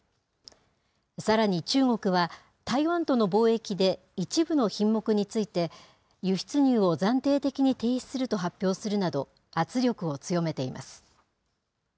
さらに中国は、台湾との貿易で、一部の品目について、輸出入を暫定的に停止すると発表するなど、圧力を強めています。